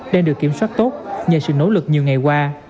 đang được kiểm soát tốt nhờ sự nỗ lực nhiều ngày qua